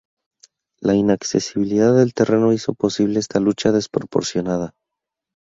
La inaccesibilidad del terreno hizo posible esta lucha desproporcionada.